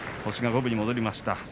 星が五分に戻りました。